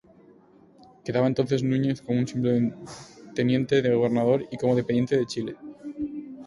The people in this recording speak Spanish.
Quedaba entonces Núñez como un simple teniente de gobernador y como dependiente de Chile.